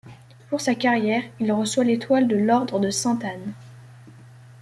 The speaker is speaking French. Pour sa carrière, il reçoit l'étoile de l'ordre de Sainte-Anne.